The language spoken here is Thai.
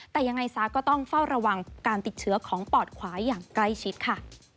แต่ยังไงซะก็ต้องเฝ้าระวังการติดเชื้อของปอดขวาอย่างใกล้ชิดค่ะ